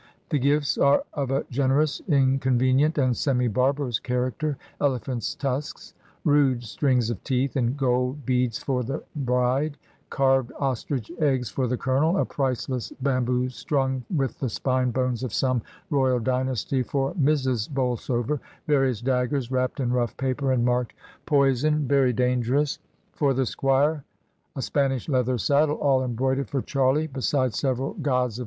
The gifts are of a generous, incon venient, and semi barbarous character; elephants' tusks, rude strings of teeth, and gold beads for the bride; carved ostrich eggs for the Colonel; a price less bamboo strung with the spine bones of some royal dynasty for Mrs. Bolsover; various daggers wrapped in rough paper, and marked ^^ poison — very danger ous^^ for the squire; a Spanish leather saddle all embroidered for Charlie, besides several gods of 28o MRS.